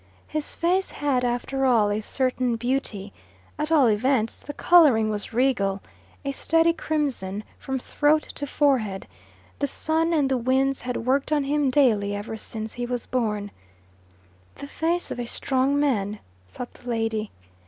His face had after all a certain beauty: at all events the colouring was regal a steady crimson from throat to forehead: the sun and the winds had worked on him daily ever since he was born. "The face of a strong man," thought the lady.